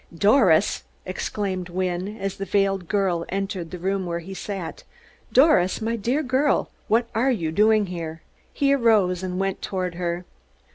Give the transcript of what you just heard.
"Doris!" exclaimed Mr. Wynne, as the veiled girl entered the room where he sat. "Doris, my dear girl, what are you doing here?" He arose and went toward her.